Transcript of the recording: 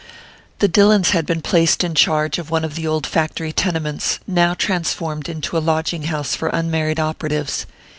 The Dillons had been placed in charge of one of the old factory tenements, now transformed into a lodging house for unmarried operatives.